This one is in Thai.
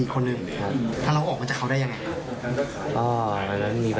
ก็ขัดคืนครับ